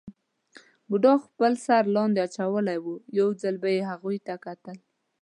بوډا خپل سر لاندې اچولی وو، یو ځل به یې هغوی ته کتل.